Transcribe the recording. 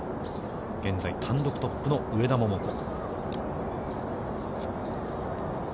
現在単独トップの上田桃子。